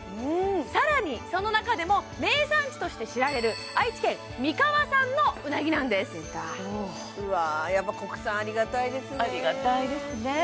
更にその中でも名産地として知られる愛知県三河産のうなぎなんですやっぱ国産ありがたいですねありがたいですね